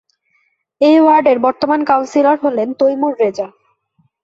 এ ওয়ার্ডের বর্তমান কাউন্সিলর হলেন তৈমুর রেজা।